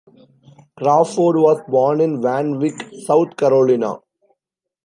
Crawford was born in Van Wyck, South Carolina.